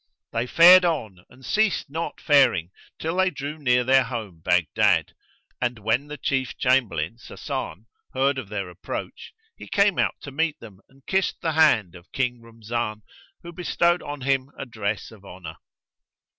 They fared on and ceased not faring till they drew near their home Baghdad, and when the Chief Chamberlain, Sasan, heard of their approach, he came out to meet them and kissed the hand of King Rumzan who bestowed on him a dress of honour.